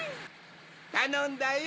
たのんだよ！